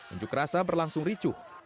unjuk rasa berlangsung ricuh